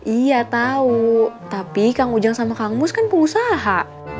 iya tahu tapi kang ujang sama kang mus kan pengusaha